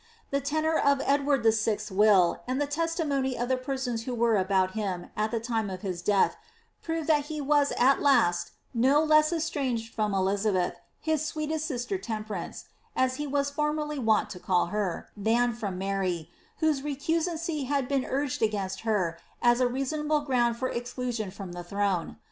The tenour of Edward Vl.'s will, and the testimony of the persons who were about him at the time of his death, prove that he was u last no less estranged from Elizabeth, his ^^ sweetest sister Temper ince,^ as he was formerly wont to call her, than from Mary, whose lecnsancy had been urged against her as a reasonable ground for exclu sion from the throne.